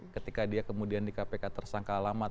ketika dia kemudian di kpk tersangka lama